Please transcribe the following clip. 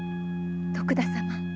徳田様。